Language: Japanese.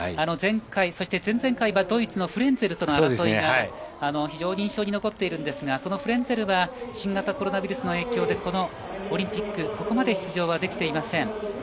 前回、前々回はドイツのフレンツェルとの争いが非常に印象に残っているんですがそのフレンツェルは新型コロナウイルスの影響でこのオリンピックここまで出場はできていません。